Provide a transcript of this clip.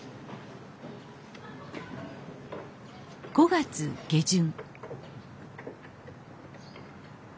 ５月下旬